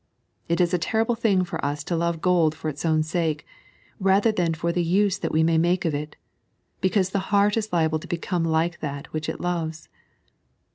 It is a terrible thing for us to love gold for its own sake, rather than fcr the use that we may make of it, because the heart is liable to become like that which it loves.